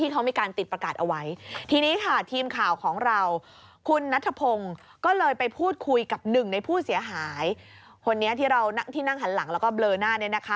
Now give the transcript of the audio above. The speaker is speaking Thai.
คนนี้ที่นั่งหันหลังแล้วก็เบลอหน้าเนี่ยนะคะ